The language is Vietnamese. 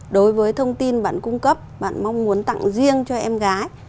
đối với thông tin bạn cung cấp bạn mong muốn tặng riêng cho em gái